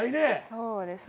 そうですね。